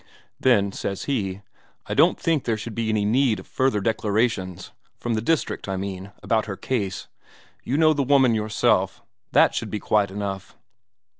Then says he: 'I don't think there should be any need of further declarations from the district, I mean about her case. You know the woman yourself that should be quite enough.'